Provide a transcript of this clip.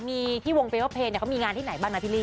มีที่วงเบอร์เพลย์เนี่ยเขามีงานที่ไหนบ้างนะพิลิ